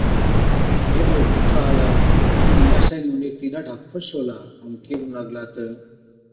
جِڏ او پُوٺا آلا تِڏ ماشائِي نُون ڏيکتِي ڏاڍا خُوش هُلا، ائُون ڪيهُون لاگلا تہ،